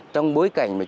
trong bối cảnh này